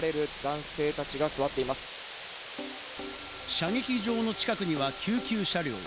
射撃場の近くには救急車両。